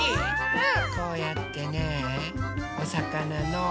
うん？